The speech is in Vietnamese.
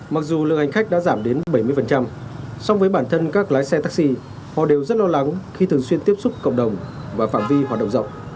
mặc dù lượng hành khách đã giảm đến bảy mươi song với bản thân các lái xe taxi họ đều rất lo lắng khi thường xuyên tiếp xúc cộng đồng và phạm vi hoạt động rộng